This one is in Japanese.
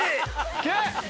・いけ！